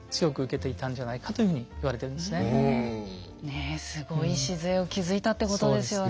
ねえすごい礎を築いたってことですよね。